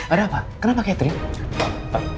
ada apa kenapa catherine